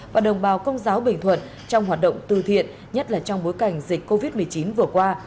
và đồng bào công giáo bình thuận trong hoạt động từ thiện nhất là trong bối cảnh dịch covid một mươi chín vừa qua